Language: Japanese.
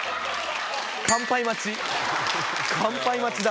乾杯待ちだ。